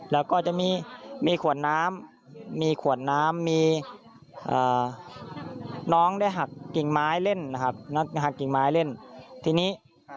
แล้วก็จะมีขวดน้ำมีน้องได้หักกิ่งไม้เล่นทีนี้